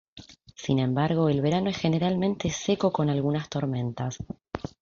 Sin embargo, el verano es generalmente seco con algunas tormentas.